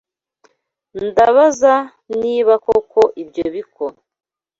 Ndabaza niba koko ibyo bikora.